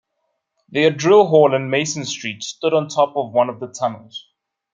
Their drill hall in Mason Street stood on top of one of the tunnels.